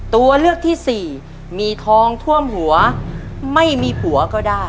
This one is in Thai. ตัวเลือกที่สี่มีทองท่วมหัวไม่มีผัวก็ได้